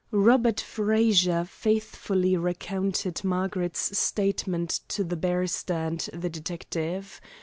Robert Frazer faithfully recounted Margaret's statement to the barrister and the detective.